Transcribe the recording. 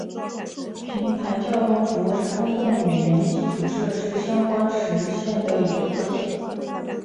平台叫用服务是公共语言基础设施相关实现的一个特性。